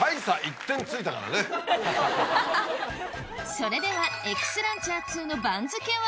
それではＸランチャー２の番付は？